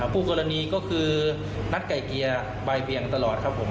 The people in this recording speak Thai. ผู้กรณีก็คือนัดไก่เกียร์บ่ายเบียงตลอดครับผม